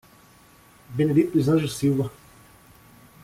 Benedito dos Anjos Silva